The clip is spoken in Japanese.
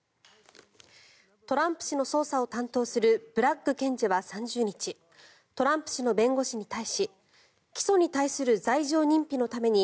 トランプ氏の捜査を担当するブラッグ検事は３０日トランプ氏の弁護士に対し起訴に対する罪状認否のために